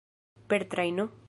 Per trajno?